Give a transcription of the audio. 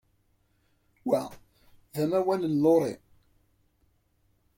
Wa d amawal n Laurie.